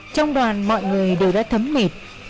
trong đoàn mọi người đều đã thấm nghiệp